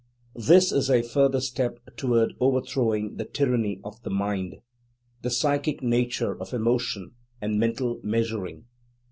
This is a further step toward overthrowing the tyranny of the "mind": the psychic nature of emotion and mental measuring.